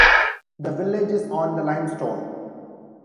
The village is on the limestone.